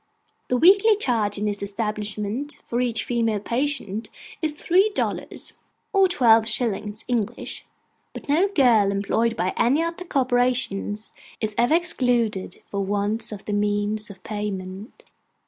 The weekly charge in this establishment for each female patient is three dollars, or twelve shillings English; but no girl employed by any of the corporations is ever excluded for want of the means of payment.